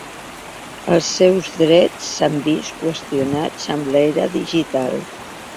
Els seus drets s'han vist qüestionats en l'era digital.